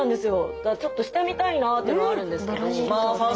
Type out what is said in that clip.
だからちょっとしてみたいなっていうのはあるんですけど。